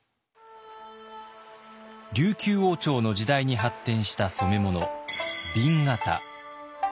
琉球王朝の時代に発展した染物紅型。